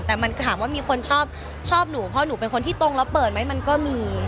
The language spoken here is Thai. แต่มันถามว่ามีคนชอบชอบหนูเพราะหนูเป็นคนที่ตรงแล้วเปิดไหมมันก็มี